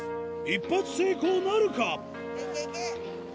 一発成功なるか？